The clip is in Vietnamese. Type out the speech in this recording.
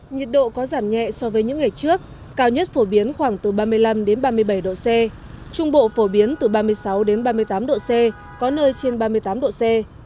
nhiệt độ có giảm nhẹ so với những ngày trước cao nhất phổ biến khoảng từ ba mươi năm ba mươi bảy độ c trung bộ phổ biến từ ba mươi sáu đến ba mươi tám độ c có nơi trên ba mươi tám độ c